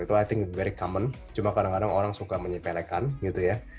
itu i think very common cuma kadang kadang orang suka menyepelekan gitu ya